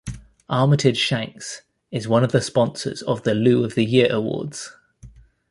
Armitage Shanks is one of the sponsors of the Loo of the Year Awards.